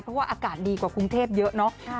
เพราะว่าอากาศดีกว่ากรุงเทพเยอะเนาะ